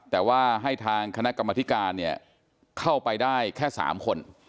แต่ว่าให้ทางคณะกรรมธิการเนี่ยเข้าไปได้แค่๓คน